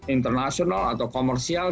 internasional atau komersial